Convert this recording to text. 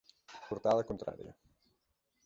Portar la contrària.